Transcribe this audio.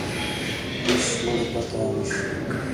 بُش مُوڑے پتا نُش۔